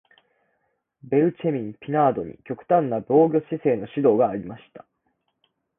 ベウチェミン・ピナードに極端な防御姿勢の指導がありました。